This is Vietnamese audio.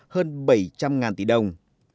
hơn bảy trăm linh tỷ đồng